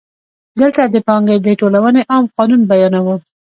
دلته د پانګې د ټولونې عام قانون بیانوو